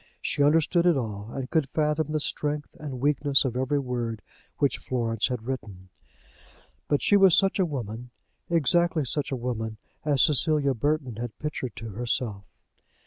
She understood it all, and could fathom the strength and weakness of every word which Florence had written. But she was such a woman, exactly such a woman, as Cecilia Burton had pictured to herself.